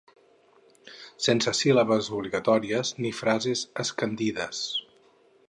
Sense síl·labes obligatòries ni frases escandides.